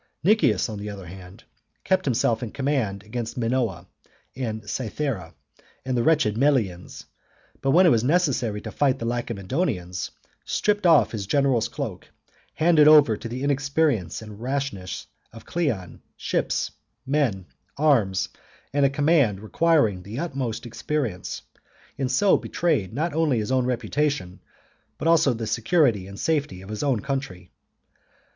Nicias, on the other hand, kept himself in the command against Minoa, and Cythera, and the wretched Melians, but when it was necessary to fight the Lacedaemonians, stripped off his general's cloak, handed over to the inexperience and rashness of Cleon ships, men, arms, and a command re quiring the utmost experience, and so betrayed not only his own reputation, but the security and safety of his own country.